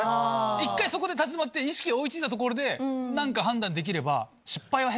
一回そこで立ち止まって意識が追い付いたところで何か判断できれば。